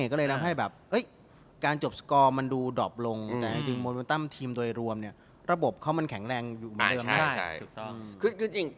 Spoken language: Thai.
ก็เลยทำให้แบบการจบสกอร์มันดูดอบลงแต่จริงโมเมนตัมทีมโดยรวมระบบเขามันแข็งแรงอยู่เหมือนเดิมนะ